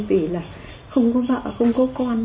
vì là không có vợ không có con